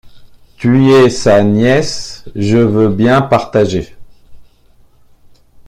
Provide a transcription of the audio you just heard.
Tu es sa nièce, je veux bien partager...